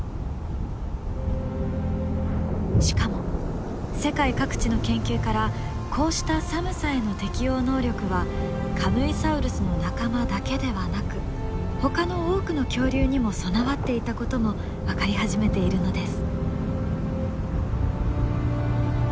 しかも世界各地の研究からこうした寒さへの適応能力はカムイサウルスの仲間だけではなくほかの多くの恐竜にも備わっていたことも分かり始めているのです。